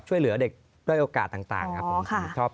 สนุนโดยอีซุสุข